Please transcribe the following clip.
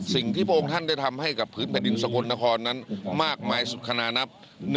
สิ่งที่พระองค์ท่านได้ทำให้กับพื้นแผ่นดินสกลนครนั้นมากมายสุขานับ